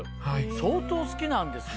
相当好きなんですね。